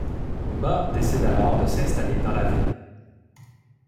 Bat décide alors de s'installer dans la ville.